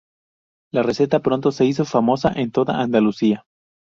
La receta pronto se hizo famosa en toda Andalucía.